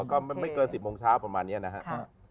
ก็ไม่เกิน๑๐โมงเช้าประมาณนี้นะครับ